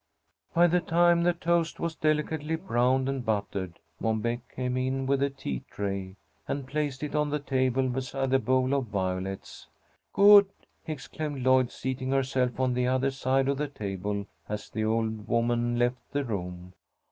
By the time the toast was delicately browned and buttered, Mom Beck came in with the tea tray, and placed it on the table beside the bowl of violets. "Good!" exclaimed Lloyd, seating herself on the other side of the table as the old woman left the room.